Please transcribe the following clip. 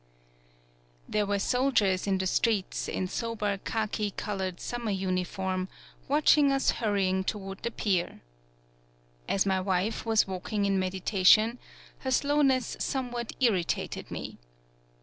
There were soldiers in the streets in sober khaki colored summer uniform, watching us hurrying toward the pier. As my wife was walking in meditation, her slowness somewhat irritated me.